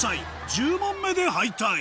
１０問目で敗退